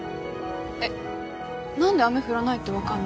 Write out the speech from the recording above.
えっ何で雨降らないって分かんの？